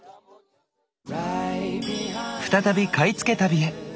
再び買い付け旅へ。